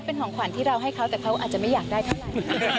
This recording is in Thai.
เป็นของขวัญที่เราให้เขาแต่เขาอาจจะไม่อยากได้เท่าไหร่